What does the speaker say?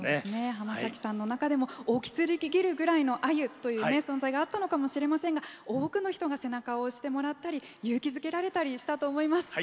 浜崎さんの中でも大きすぎるあゆという存在があったのかもしれませんが多くの人が背中を押してもらったり勇気づけられたりしたと思います。